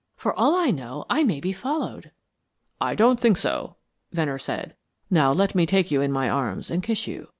For all I know, I may be followed. "I don't think so," Venner said. "Now let me take you in my arms and kiss you.